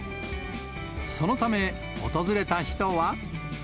そのため、訪れた人は。